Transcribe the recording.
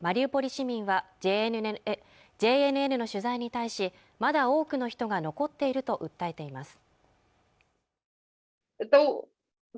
市民はＪＮＮの取材に対しまだ多くの人が残っていると訴えています